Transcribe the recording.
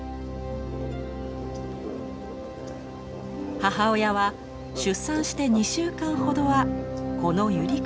母親は出産して２週間ほどはこのゆりかごで子育てをします。